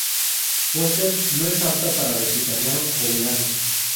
Foster's no es apta para Vegetarianos o veganos.